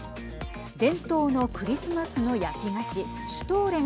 伝統のクリスマスの焼き菓子シュトーレン